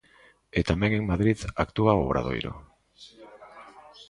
E tamén en Madrid actúa o Obradoiro.